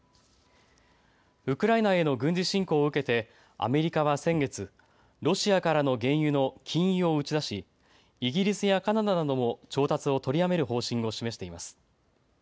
ウクライナへの軍事侵攻を受けてアメリカは先月、ロシアからの原油の禁輸を打ち出しイギリスやカナダなども調達を取りやめる方針を示しています。